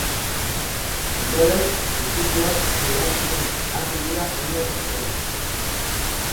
Ondoren, txikizioak eragiten hasi dira hainbat pertsona.